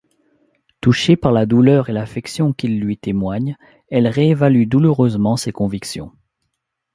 Touchée par leur douleur et l'affection qu'ils lui témoignent, elle réévalue douloureusement ses convictions.